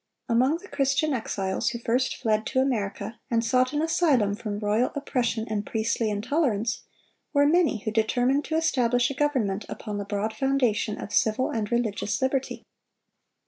Among the Christian exiles who first fled to America, and sought an asylum from royal oppression and priestly intolerance, were many who determined to establish a government upon the broad foundation of civil and religious liberty.